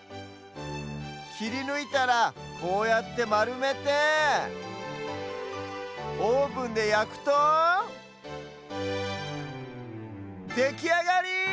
きりぬいたらこうやってまるめてオーブンでやくとできあがり！